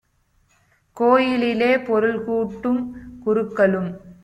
கோயிலிலே பொருள் கூட்டும் குருக்களும்